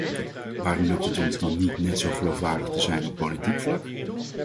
Waarom lukt het ons dan niet net zo geloofwaardig te zijn op politiek vlak?